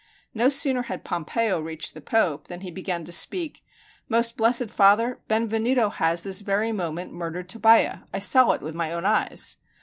No sooner had Pompeo reached the Pope than he began to speak: "Most blessed Father, Benvenuto has this very moment murdered Tobbia; I saw it with my own eyes."